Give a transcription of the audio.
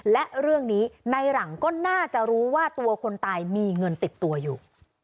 และเรื่องนี้ในหลังก็น่าจะรู้ว่าตัวคนตายมีเงินติดตัวอยู่